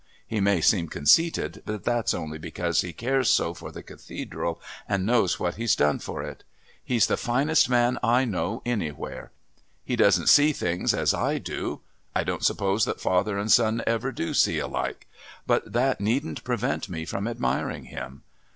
He may seem conceited, but that's only because he cares so for the Cathedral and knows what he's done for it. He's the finest man I know anywhere. He doesn't see things as I do I don't suppose that father and son ever do see alike but that needn't prevent me from admiring him.